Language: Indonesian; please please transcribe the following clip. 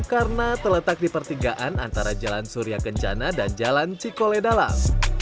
karena terletak di pertigaan antara jalan surya genjana dan jalan cikole dalam